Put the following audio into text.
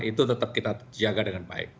itu tetap kita jaga dengan baik